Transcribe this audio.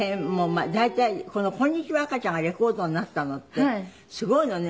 大体この『こんにちは赤ちゃん』がレコードになったのってすごいのね。